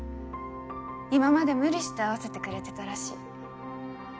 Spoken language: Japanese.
今まで無理して合わせてくれてたらしい。